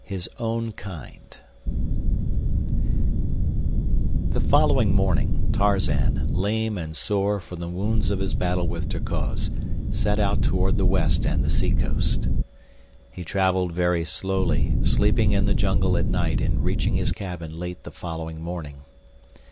His Own Kind The following morning, Tarzan, lame and sore from the wounds of his battle with Terkoz, set out toward the west and the seacoast. He traveled very slowly, sleeping in the jungle at night, and reaching his cabin late the following morning.